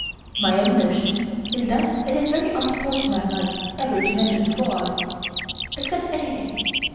My own notion is that it is very unsportsmanlike ever to mention fraud. Accept anything.